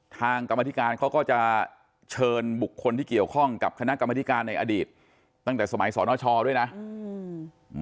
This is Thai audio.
กรรมธิการเขาก็จะเชิญบุคคลที่เกี่ยวข้องกับคณะกรรมธิการในอดีตตั้งแต่สมัยสนชด้วยนะอืม